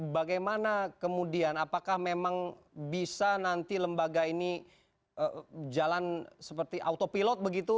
bagaimana kemudian apakah memang bisa nanti lembaga ini jalan seperti autopilot begitu